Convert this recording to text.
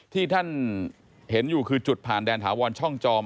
ที่ท่านเห็นอยู่คือจุดผ่านแดนถาวรช่องจอม